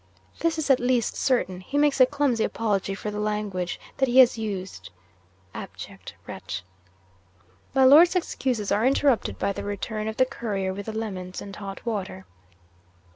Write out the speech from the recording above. This is at least certain, he makes a clumsy apology for the language that he has used. (Abject wretch!) 'My Lord's excuses are interrupted by the return of the Courier with the lemons and hot water.